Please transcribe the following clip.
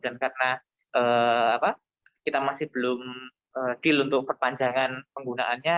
dan karena kita masih belum deal untuk perpanjangan penggunaannya